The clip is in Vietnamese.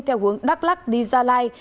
theo hướng đắk lắc đi gia lai